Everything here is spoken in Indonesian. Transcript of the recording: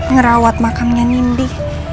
ngerawat makamnya nindy